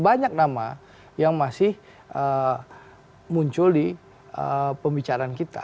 banyak nama yang masih muncul di pembicaraan kita